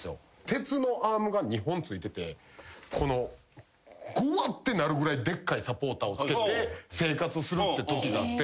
鉄のアームが２本ついててごわっ！ってなるぐらいでっかいサポーターをつけて生活するってときがあって。